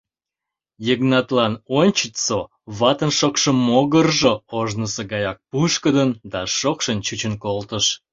Йыгнатлан ончычсо ватын шокшо могыржо ожнысо гаяк пушкыдын да шокшын чучын колтыш.